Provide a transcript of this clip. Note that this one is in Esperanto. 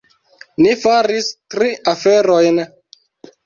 Ni faris tri aferojn.